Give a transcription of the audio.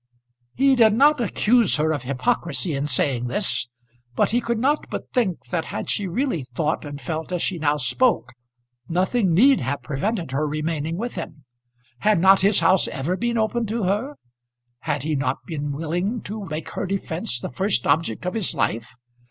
He did not accuse her of hypocrisy in saying this; but he could not but think that had she really thought and felt as she now spoke nothing need have prevented her remaining with him. Had not his house ever been open to her? Had he not been willing to make her defence the first object of his life?